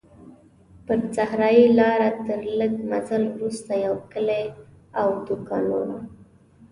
پر صحرایي لاره تر لږ مزل وروسته یو کلی او دوکانونه وو.